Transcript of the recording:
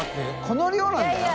この量なんだよ？